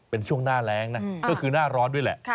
เป็นช่วงหน้าแรงนะก็คือหน้าร้อนด้วยแหละ